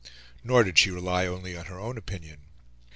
Nor did she rely only on her own opinion.